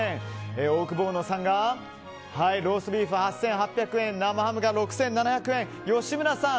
オオクボーノさんがローストビーフ、８８００円生ハムが６７００円吉村さん